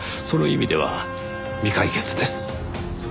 その意味では未解決です。